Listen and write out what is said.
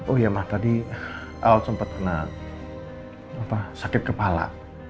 oh iya ma tadi al sempet kena sakit kepala